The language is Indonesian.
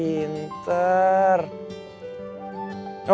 saya datang dengan niat yang baik